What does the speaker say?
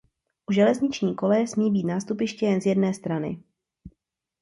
U železniční koleje smí být nástupiště jen z jedné strany.